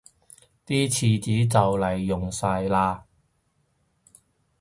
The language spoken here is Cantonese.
啲廁紙就黎用晒喇